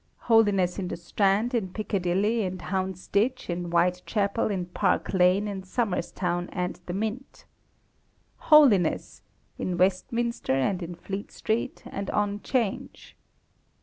Holiness in the Strand, in Piccadilly, in Houndsditch, in Whitechapel, in Park Lane, in Somerstown, and the Mint. Holiness! In Westminster, and in Fleet Street, and on 'Change.